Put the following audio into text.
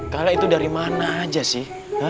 kala itu dari mana aja sih